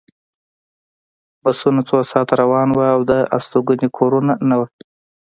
بسونه څو ساعته روان وو او د استوګنې کورونه نه وو